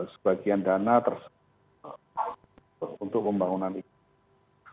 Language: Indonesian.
sebagian dana tersebut untuk pembangunan ikn